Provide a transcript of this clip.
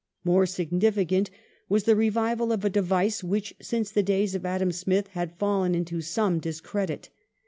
More significant was the revival of a device which since the days of Adam Smith had fallen into some discredit.